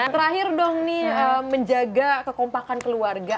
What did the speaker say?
terakhir dong nih menjaga kekompakan keluarga